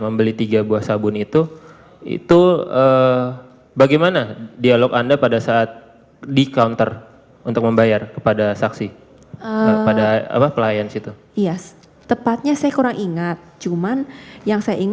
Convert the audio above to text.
lima belas tiga puluh mukanya gak keliatan